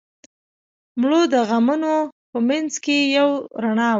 مړه د غمونو په منځ کې یو رڼا وه